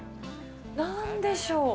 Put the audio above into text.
なんでしょう。